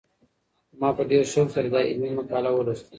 ما په ډېر شوق سره دا علمي مقاله ولوسته.